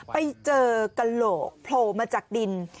ไปเจอกระโหลกโผล่มาจากดิน